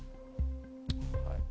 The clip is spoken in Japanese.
はい。